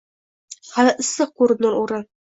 Hali issiq ko’rinur o’rin…